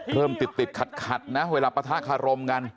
เริ่มติดติดขัดนะเวลาปะทะคารมกัน